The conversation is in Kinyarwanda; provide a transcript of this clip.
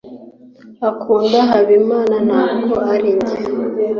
akunda habimana, ntabwo ari njye